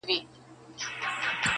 ستا هغه رنگين تصوير.